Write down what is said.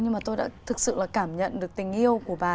nhưng mà tôi đã thực sự là cảm nhận được tình yêu của bà